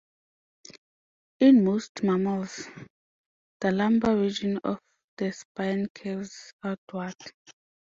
In most mammals, the lumbar region of the spine curves outward.